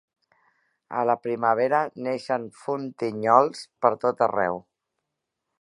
A la primavera neixen fontinyols pertot arreu.